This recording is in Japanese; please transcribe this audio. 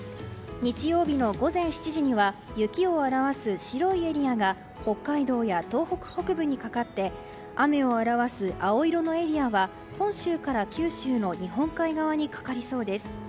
日曜日の午前７時には雪を表す白いエリアが北海道や東北北部にかかって雨を表す青色のエリアは本州から九州の日本海側にかかりそうです。